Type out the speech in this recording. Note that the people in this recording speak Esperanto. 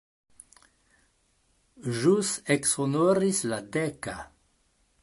Ĵus eksonoris la deka.